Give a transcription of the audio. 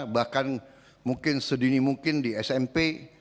bahkan mungkin sedini mungkin di smp